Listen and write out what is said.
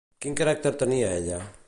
Quin caràcter tenia ella?